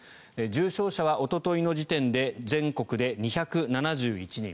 重症者はおとといの時点で全国で２７１人。